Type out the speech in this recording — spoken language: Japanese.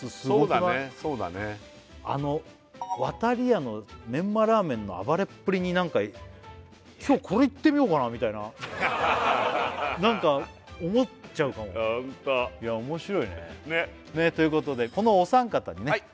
そうだねそうだねわたりやのメンマラーメンの暴れっぷりに何か今日これいってみようかなみたいな何か思っちゃうかもホント面白いねということでこのお三方にね